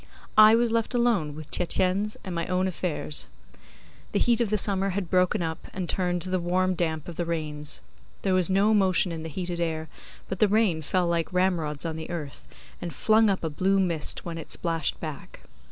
I was left alone with Tietjens and my own affairs. The heat of the summer had broken up and turned to the warm damp of the rains. There was no motion in the heated air, but the rain fell like ramrods on the earth, and flung up a blue mist when it splashed back.